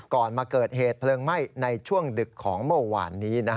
ก่อนมาเกิดเหตุเผลิงไหม้ในช่วงดึกของหม้อน้ำนี้